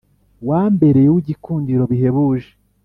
Wambereye uw’igikundiro bihebuje